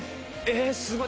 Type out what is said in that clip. すごい。